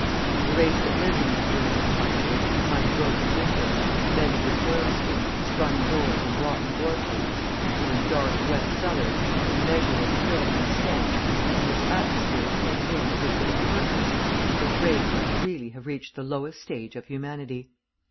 The race that lives in these ruinous cottages, behind broken windows, mended with oilskin, sprung doors, and rotten door posts, or in dark, wet cellars, in measureless filth and stench, in this atmosphere penned in as if with a purpose, this race must really have reached the lowest stage of humanity.